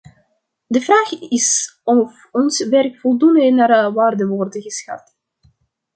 De vraag is of ons werk voldoende naar waarde wordt geschat.